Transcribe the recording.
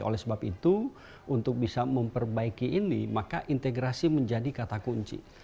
oleh sebab itu untuk bisa memperbaiki ini maka integrasi menjadi kata kunci